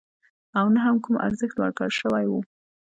او نه هم کوم ارزښت ورکړل شوی وو.